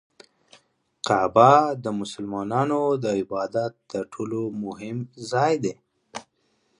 کعبه د مسلمانانو د عبادت تر ټولو مهم ځای دی.